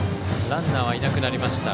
ランナーはいなくなりました。